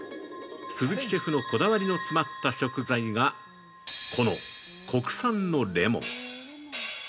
鈴木シェフのこだわりの詰まった食材がこの「国産のレモン」。